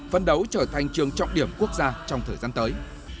phân đấu trở thành trường trọng điểm quốc gia trong thời gian tới